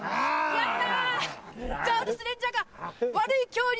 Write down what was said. やった！